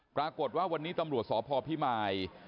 ปรากฏว่าวันนี้ตำรวจสพพิมาย